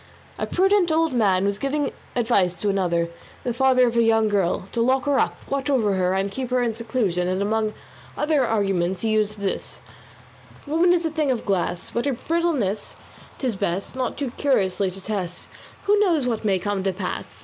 A prudent old man was giving advice to another, the father of a young girl, to lock her up, watch over her and keep her in seclusion, and among other arguments he used these: Woman is a thing of glass; But her brittleness 'tis best Not too curiously to test: Who knows what may come to pass?